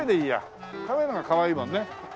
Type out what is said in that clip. カメの方がかわいいもんね。